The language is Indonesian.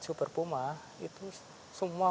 super puma itu semua